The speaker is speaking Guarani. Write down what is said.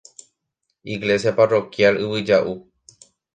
Iglesia Parroquial Yvyjaʼu.